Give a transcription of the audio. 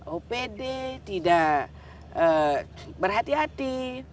opd tidak berhati hati